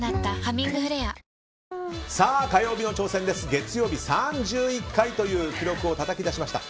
月曜日、３１回という記録をたたき出しました。